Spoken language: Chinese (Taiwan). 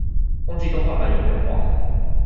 忘記動畫版有沒有畫了